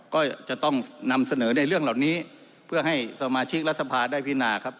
ก็จะต้องนำเสนอในเรื่องเหล่านี้เพื่อให้สมาชิกรัฐสภาได้พินาครับ